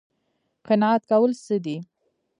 قناعت کول څه دي؟